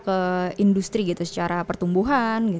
ke industri secara pertumbuhan